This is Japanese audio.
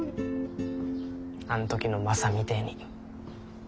あの時のマサみてえに。